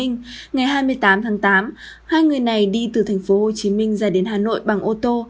ngày hai mươi tám tháng tám hai người này đi từ tp hcm ra đến hà nội bằng ô tô